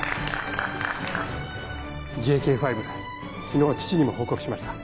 ＪＫ５昨日父にも報告しました。